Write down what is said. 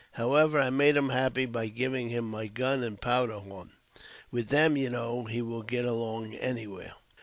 However, I made him happy by giving him my gun and powder horn. With them, you know, he will git along anywhere!"